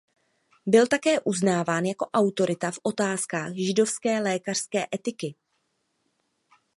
Byl také uznáván jako autorita v otázkách židovské lékařské etiky.